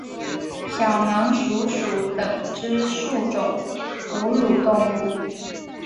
小囊鼠属等之数种哺乳动物。